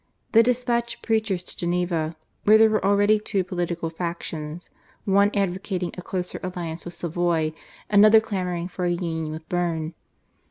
They despatched preachers to Geneva, where there were already two political factions, one advocating a closer alliance with Savoy, another clamouring for a union with Berne.